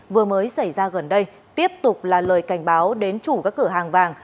vừa mới xảy ra gần đây tiếp tục là lời cảnh báo đến chủ các cửa hàng vàng